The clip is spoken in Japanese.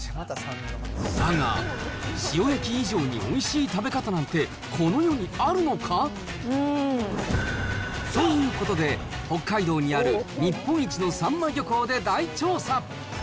だが、塩焼き以上においしい食べ方なんて、この世にあるのか？ということで、北海道にある日本一のサンマ漁港で大調査。